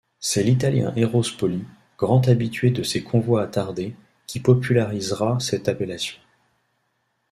C'est l'Italien Eros Poli, grand habitué de ces convois attardés, qui popularisera cette appellation.